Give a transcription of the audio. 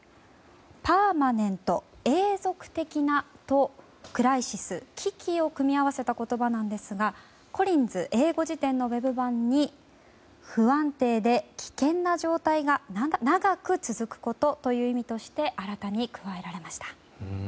パーマネント、永続的なとクライシス、危機を組み合わせた言葉なんですが「コリンズ英語辞典」のウェブ版に不安定で危険な状態が長く続くことという意味として新たに加えられました。